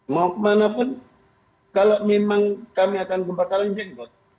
mau kemana pun kalau memang kami akan kebakaran jenggot